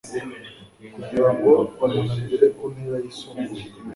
kugirango umuntu agere ku ntera yisumbuye